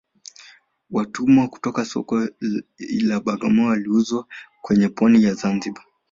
Watumwa kutoka soko la bagamoyo waliuzwa kwenye pwani ya zanzibar